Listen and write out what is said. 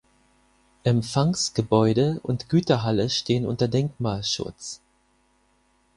Empfangsgebäude und Güterhalle stehen unter Denkmalschutz.